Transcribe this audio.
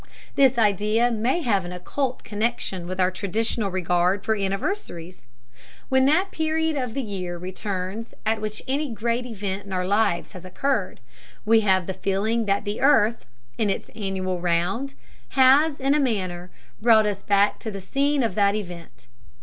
This idea may have an occult connection with our traditional regard for anniversaries. When that period of the year returns at which any great event in our lives has occurred we have the feeling that the earth, in its annual round, has, in a manner, brought us back to the scene of that event.